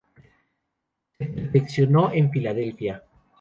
Se perfeccionó en Filadelfia.